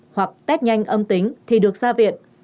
hoặc test nhanh âm tính thì được ra viện